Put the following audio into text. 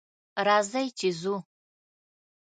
راځئ چې ځو